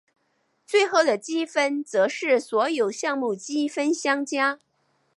最后的积分则是所有项目积分相加。